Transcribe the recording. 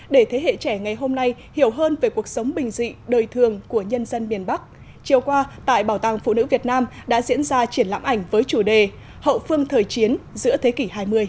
để thế hệ trẻ ngày hôm nay hiểu hơn về cuộc sống bình dị đời thường của nhân dân miền bắc chiều qua tại bảo tàng phụ nữ việt nam đã diễn ra triển lãm ảnh với chủ đề hậu phương thời chiến giữa thế kỷ hai mươi